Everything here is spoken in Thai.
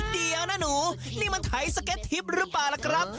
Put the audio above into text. เดี๋ยวนะหนูนี่มันไถสเก็ตทิพย์หรือเปล่าล่ะครับ